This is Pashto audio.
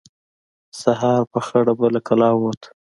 سهار په خړه به له کلا ووت.